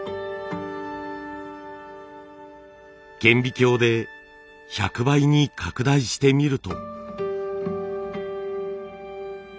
顕微鏡で１００倍に拡大してみると。